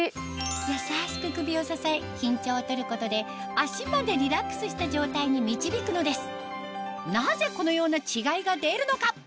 優しく首を支え緊張を取ることで足までリラックスした状態に導くのですなぜこのような違いが出るのか？